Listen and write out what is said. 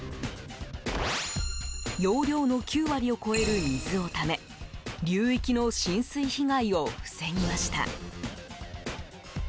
容量の９割を超える水をため流域の浸水被害を防ぎました。